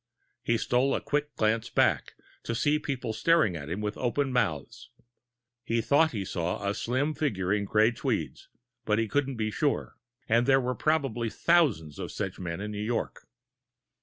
He stole a quick glance back, to see people staring at him with open mouths. He thought he saw a slim figure in gray tweeds, but he couldn't be sure and there were probably thousands of such men in New York.